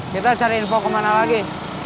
kita cari info kemana lagi